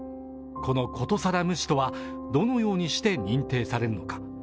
この殊更無視とはどのようにして認定されるのか。